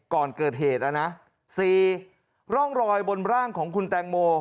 ก่อนเกิดเหตุนะนะ๔ร่องรอยบนร่างของคุณแตงโม